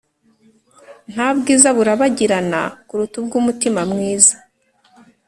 nta bwiza burabagirana kuruta ubw'umutima mwiza.